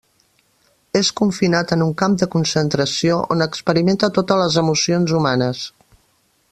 És confinat en un camp de concentració on experimenta totes les emocions humanes.